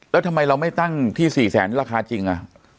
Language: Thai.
แล้วทำไมเราไม่ตั้งที่๔แสนราคาจริง